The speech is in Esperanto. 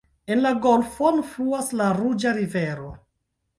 En la golfon fluas la ruĝa rivero.